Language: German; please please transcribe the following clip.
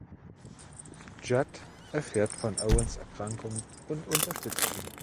Judd erfährt von Owens Erkrankung und unterstützt ihn.